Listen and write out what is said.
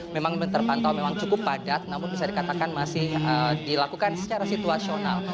memang terpantau memang cukup padat namun bisa dikatakan masih dilakukan secara situasional